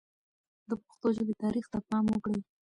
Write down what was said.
د پښتو ژبې تاریخ ته پام وکړئ.